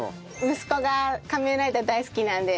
息子が仮面ライダー大好きなんで。